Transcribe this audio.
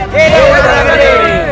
hei hidup beragami